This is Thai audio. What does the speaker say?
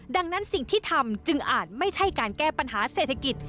ดังนั้นสิ่งที่ทำจึงอาจไม่ใช่การแก้ปัญหาเศรษฐกิจ